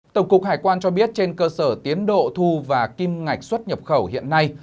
tổng cục hải quan cho biết trên cơ sở tiến độ thu và kim ngạch xuất nhập khẩu hiện nay